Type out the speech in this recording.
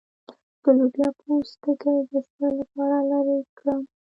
د لوبیا پوستکی د څه لپاره لرې کړم؟